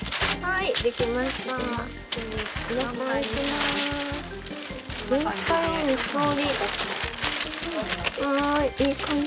いい感じ？